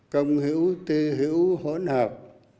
công hữu tư hữu hỗn hợp